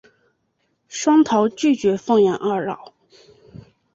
双桃拒绝奉养二老。